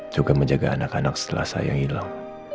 juga menjaga anak anak setelah saya hilang